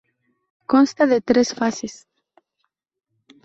Consta de tres fases.